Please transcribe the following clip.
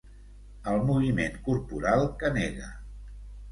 El moviment corporal que nega.